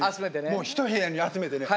もう一部屋に集めてね